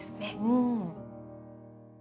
うん。